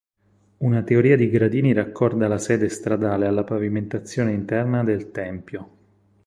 Una teoria di gradini raccorda la sede stradale alla pavimentazione interna del tempio.